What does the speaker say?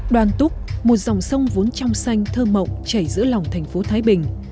đoàn túc một dòng sông vốn trong xanh thơ mộng chảy giữa lòng thành phố thái bình